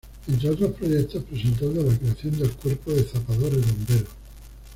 Entre otros proyectos presentó el de la creación del cuerpo de zapadores-bomberos.